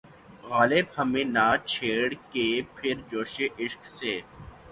غالب ہمیں نہ چھیڑ کہ پھر جوشِ اشک سے